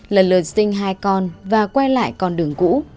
lần lượt sinh hai con và quay lại con đường cũ